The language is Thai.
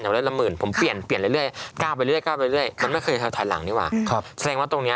ก็คืนเลยครับ๑๐วันน่าจะ๑๐วัน